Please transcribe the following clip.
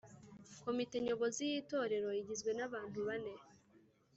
Komite Nyobozi y’itorero igizwe n’abantu bane